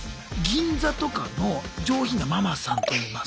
銀座とかの上品なママさんといいますか。